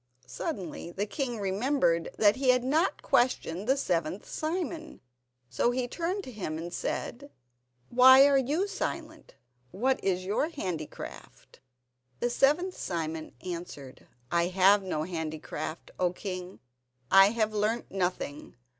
Suddenly the king remembered that he had not questioned the seventh Simon, so he turned to him and said: "Why are you silent? What is your handicraft?" And the seventh Simon answered: "I have no handicraft, O king; I have learnt nothing.